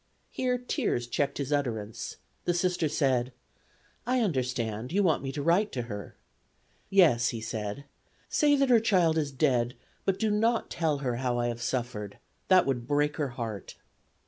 Here tears checked his utterance. The Sister said: "I understand; you want me to write to her." "Yes," he said; "say that her child is dead, but do not tell her how I have suffered; that would break her heart."